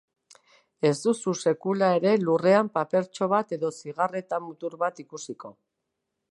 Ez duzu sekula ere lurrean papertxo bat edo zigarreta-mutur bat ikusiko.